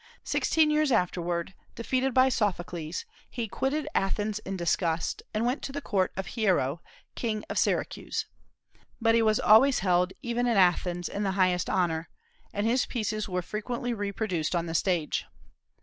Sixteen years afterward, defeated by Sophocles, he quitted Athens in disgust and went to the court of Hiero, king of Syracuse. But he was always held, even at Athens, in the highest honor, and his pieces were frequently reproduced upon the stage.